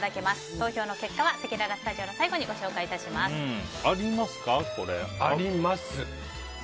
投票結果はせきららスタジオの最後にご紹介します。あります。